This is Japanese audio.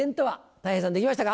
たい平さんできましたか？